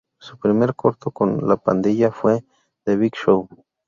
Su primer corto con "La Pandilla" fue "The Big Show".